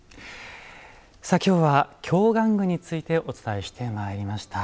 きょうは「京玩具」についてお伝えしてまいりました。